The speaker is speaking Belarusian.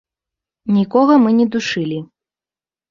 Нікога мы не душылі.